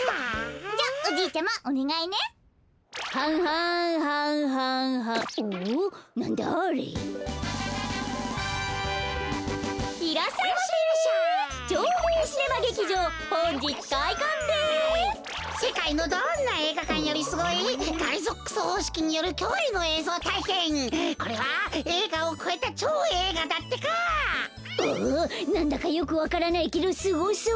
おおなんだかよくわからないけどスゴそう！